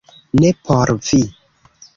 - Ne por vi